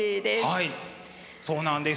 はいそうなんです。